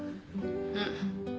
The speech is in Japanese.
うん。